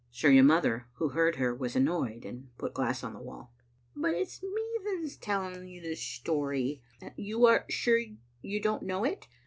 So your mother, who heard her, was annoyed, and put glass on the wall. "" But it's me that is telling you the story. You are sure you don't know it?